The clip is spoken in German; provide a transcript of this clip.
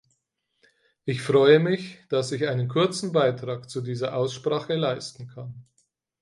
Ich freue mich, dass ich einen kurzen Beitrag zu dieser Aussprache leisten kann.